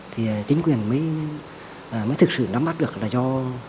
thì chính quyền mới thực sự nắm bắt được là do